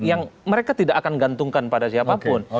yang mereka tidak akan gantungkan pada siapapun